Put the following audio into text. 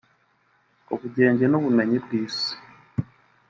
ubugenge n’ubumenyi bw’isi